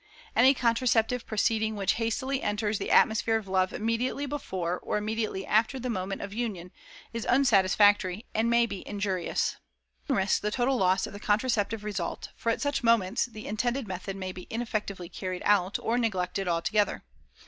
Any contraceptive proceeding which hastily enters the atmosphere of love immediately before or immediately after the moment of union is unsatisfactory and may be injurious. It even risks the total loss of the contraceptive result, for at such moments the intended method may be ineffectively carried out, or neglected altogether.